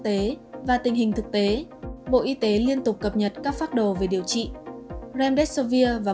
tế và tình hình thực tế bộ y tế liên tục cập nhật các pháp đồ về điều trị remdesivir và